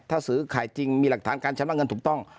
ถ้าซื้อขายจริงมีหลักฐานการชำระเงินถูกต้อง